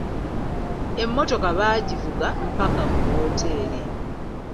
Emmotoka baagivuga mpaka ku wooteri.